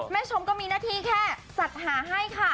ชมก็มีหน้าที่แค่จัดหาให้ค่ะ